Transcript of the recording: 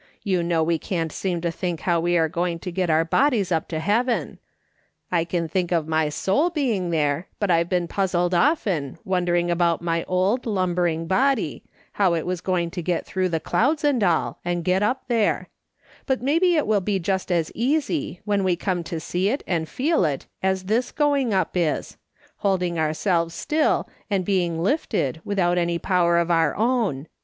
You know we can't seem to think how we are going to get our bodies up to heaven, I can think of my soul being there, but I've been puzzled often, wondering about my old lumbering body, how it was going to get through the clouds and all, and get up there ; but maybe it will be just as easy, when we come to see it and feel it, as this going up is ; holding ourselves still, and being lifted, without any power of our own.